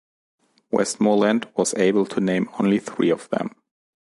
Westmoreland was able to name only three of them.